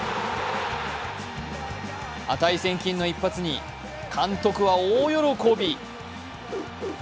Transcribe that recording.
値千金の一発に監督は大喜び。